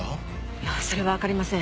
いやそれはわかりません。